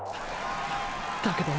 だけどね